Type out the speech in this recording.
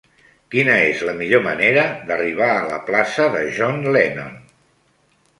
Quina és la millor manera d'arribar a la plaça de John Lennon?